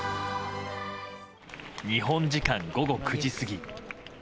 日本時間午後９時過ぎ。